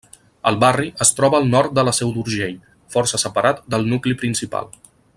El barri es troba al nord de la Seu d'Urgell, força separat del nucli principal.